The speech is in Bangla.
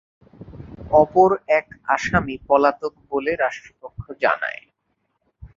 অপর এক আসামি পলাতক বলে রাষ্ট্রপক্ষ জানায়।